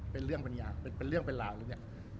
เป็นเรื่องเป็นอย่างเป็นเรื่องเป็นราวเลยเนี่ย